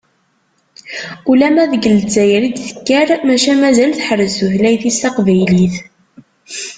Ulamma deg Lezzayer i d-tekkar maca mazal teḥrez tutlayt-is taqbaylit.